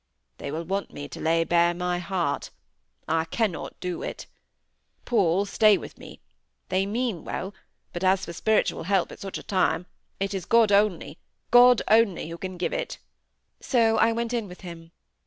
"They will want me to lay bare my heart. I cannot do it. Paul, stay with me. They mean well; but as for spiritual help at such a time—it is God only, God only, who can give it. So I went in with him.